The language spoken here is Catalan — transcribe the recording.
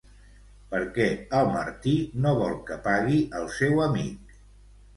Per què el Martí no vol que pagui el seu amic?